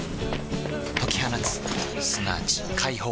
解き放つすなわち解放